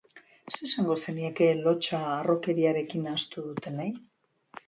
Zer esango zenieke lotsa harrokeriarekin nahastu dutenei?